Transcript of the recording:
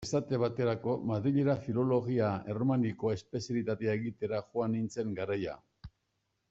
Esate baterako, Madrilera Filologia Erromanikoa espezialitatea egitera joan nintzen garaia.